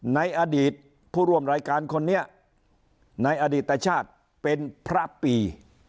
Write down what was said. ในอดีตผู้ร่วมรายการคนนี้ในอดีตชาติเป็นพระปี